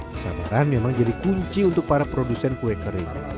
kesabaran memang jadi kunci untuk para produsen kue kering